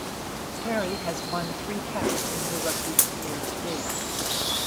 Terry has won three caps in her rugby career to date.